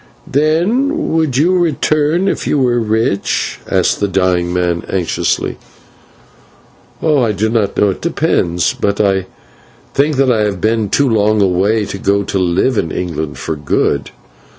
"Then would you return if you were rich?" asked the dying man anxiously. "I do not know; it depends. But I think that I have been too long away to go to live in England for good."